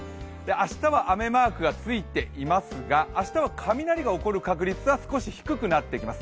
明日は雨マークがついていますが、明日は雷が起こる確率は少し低くなってきます。